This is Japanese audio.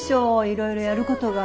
いろいろやることが。